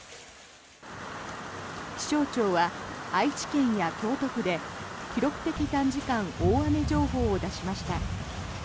気象庁は愛知県や京都府で記録的短時間大雨情報を出しました。